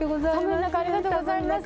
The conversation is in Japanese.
寒い中ありがとうございます。